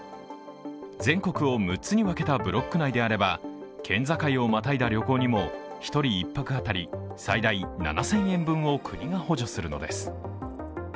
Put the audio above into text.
全国を６つに分けたブロック内であれば県境をまたいだ旅行にも１人１泊当たり最大７０００円分を国が補助するのです。